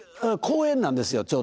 公園なんですよ